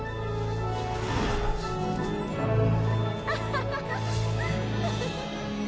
ハハハハ！